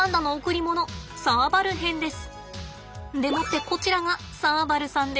でもってこちらがサーバルさんです。